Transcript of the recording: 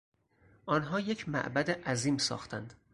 آنها یک معبد عظیم ساختند.